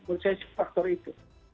maksud saya faktor itu